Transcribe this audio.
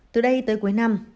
từ đây tới cuối năm